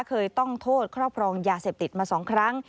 เคยต้องโทษครอบครองยาเสพติดมา๒ครั้ง